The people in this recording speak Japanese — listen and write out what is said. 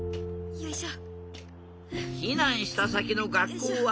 よいしょ。